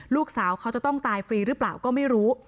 ลูกสาวเขาจะต้องตายฟรีหรือเปล่าก็ไม่รู้